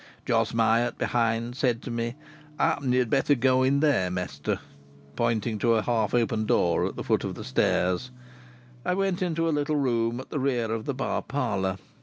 Jos Myatt, behind, said to me: "Happen you'd better go in there, mester," pointing to a half open door at the foot of the stairs. I went into a little room at the rear of the bar parlour.